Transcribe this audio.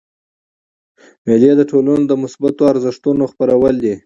مېلې د ټولني د مثبتو ارزښتو خپرول دي.